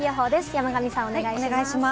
山神さん、お願いします。